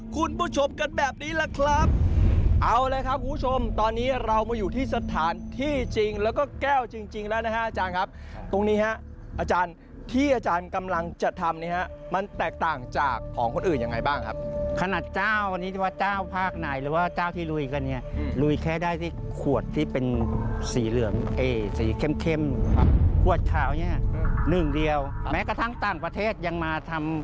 กลับใบมิดโกนในช่องปากผมรู้สึกเสียวมากเลยนะ